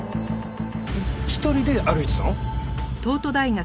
一人で歩いてたの？